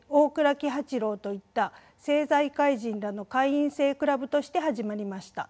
喜八郎といった政財界人らの会員制クラブとして始まりました。